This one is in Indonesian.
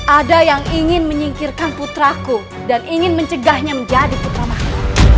ada yang ingin menyingkirkan putraku dan ingin mencegahnya menjadi putra mahko